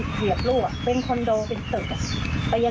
พ่อแม่เราพูดเนี้ยเป็นเรื่องแย่พ่อติดพ่อแม่ไม่รู้